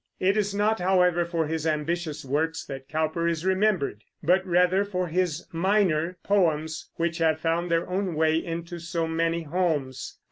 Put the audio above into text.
It is not, however, for his ambitious works that Cowper is remembered, but rather for his minor poems, which have found their own way into so many homes.